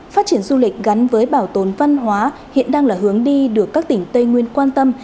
phát triển du lịch gắn với bảo tồn văn hóa hiện đang là hướng đi được các tỉnh tây nguyên quan tâm